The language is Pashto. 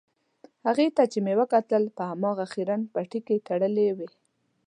هغې ته چې مې وکتل په هماغه خیرن پټۍ کې تړلې وې.